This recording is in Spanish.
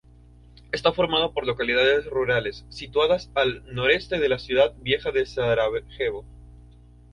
Está formado por localidades rurales situadas al noreste de la ciudad vieja de Sarajevo.